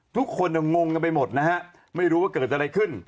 ทุกคนก็งงไปหมดนะครับไม่รู้ว่าเกิดจะอะไรขึ้น